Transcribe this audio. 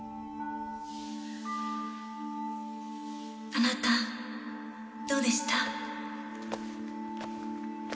あなたどうでした？